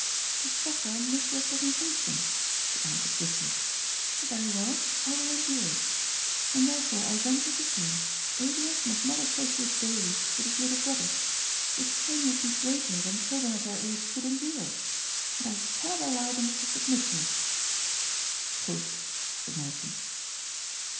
"To suffer misrepresentation," she answered quickly. " Very well, I will endure it. And therefore I venture to say, Elias must not associate daily with his little brothers. The strain would be greater than children of their age could endure. And I cannot allow them to submit to it." " Pooh !" said the merchant.